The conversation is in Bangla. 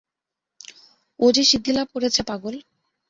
ও যে সিদ্ধিলাভ করেছে পাগল।